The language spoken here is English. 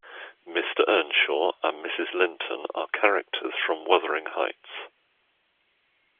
Mr Earnshaw and Mrs Linton are characters from Wuthering Heights